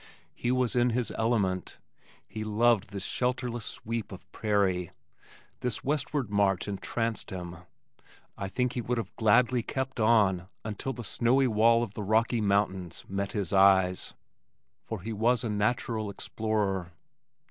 He was in his element. He loved this shelterless sweep of prairie. This westward march entranced him, I think he would have gladly kept on until the snowy wall of the Rocky Mountains met his eyes, for he was a natural explorer.